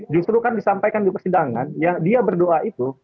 justru kan disampaikan di persidangan ya dia berdoa itu